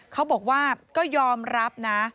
เขาบอกว่าก็ยอมรับนะ